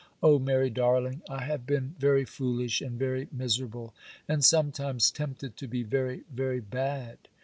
Oh, Mary, darling! I have been very foolish and very miserable, and sometimes tempted to be very, very bad.